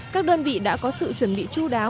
các đơn vị đã có sự chuẩn bị chú đáo